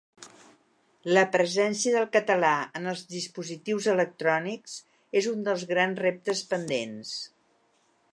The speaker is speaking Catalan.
La presència del català en els dispositius electrònics és un dels grans reptes pendents.